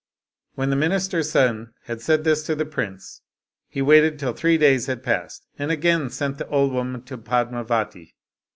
" When the minister's son had said this to the prince, he waited till three days had passed, and again sent the old woman to Padmivati.